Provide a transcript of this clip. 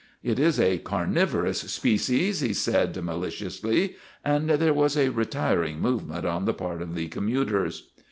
" It is a carnivorous species," he said, maliciously, and there was a retiring movement on the part of the commuters.